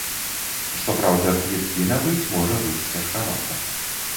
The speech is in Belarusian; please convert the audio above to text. Што праўда, квіткі набыць можа быць цяжкавата.